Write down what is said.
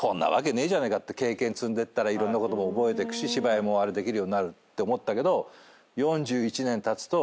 経験積んでったらいろんなことも覚えてくし芝居もできるようになるって思ったけど。